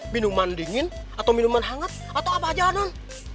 minuman dingin atau minuman hangat atau apa aja non